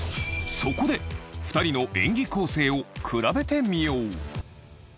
そこで２人の演技構成を比べてみよう！